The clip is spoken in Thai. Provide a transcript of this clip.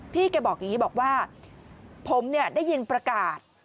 แกบอกอย่างนี้บอกว่าผมเนี่ยได้ยินประกาศ